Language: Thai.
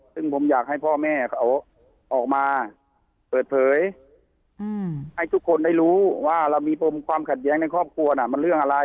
ซึ่งผมอยากให้พ่อแม่เขาออกมาเปิดเผยให้ทุกคนได้รู้ว่าเรามีปมความขัดแย้งในครอบครัวน่ะมันเรื่องอะไร